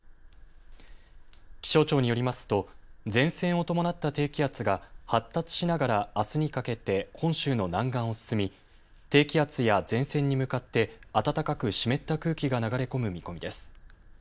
気象庁によりますと前線を伴った低気圧が発達しながらあすにかけて本州の南岸を進み低気圧や前線に向かって暖かく湿った空気が流れ込む見込みです。